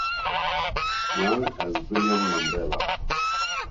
Young as William Mandella.